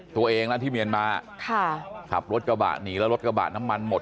ตัวเองรันที่เบียนมาขับรถกระบาดหนีและรถกระบาดน้ำมันหมด